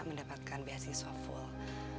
mendapatkan basi software